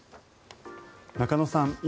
中野さん